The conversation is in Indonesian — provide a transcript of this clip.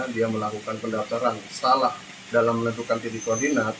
dia melakukan pendaftaran salah dalam menentukan titik koordinat